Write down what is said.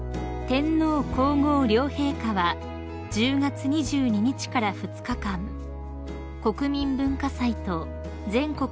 ［天皇皇后両陛下は１０月２２日から２日間国民文化祭と全国